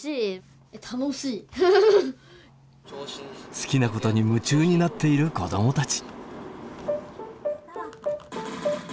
好きなことに夢中になっている子どもたち。